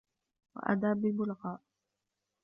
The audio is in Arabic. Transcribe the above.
وَآدَابِ الْبُلَغَاءِ